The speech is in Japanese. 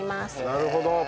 なるほど。